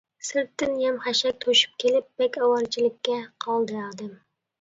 سىرتتىن يەم-خەشەك توشۇپ كېلىپ بەك ئاۋارىچىلىككە قالدى ئادەم.